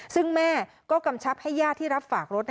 ซึ่งแม่ก็กำชับให้ญาติที่รับฝากรถ